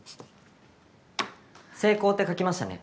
成功って書きましたね。